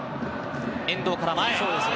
遠藤から前へ。